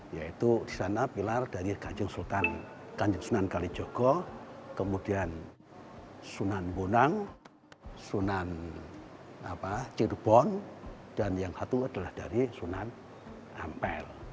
yaitu di sana pilar dari ganjeng sunan kalijogo kemudian sunan bonang sunan cirebon dan yang satu adalah dari sunan ampel